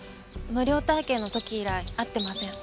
無料体験の時以来会ってません。